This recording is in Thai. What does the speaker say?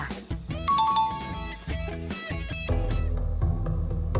จดบอส